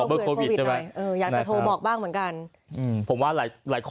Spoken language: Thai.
เอ้าหรอ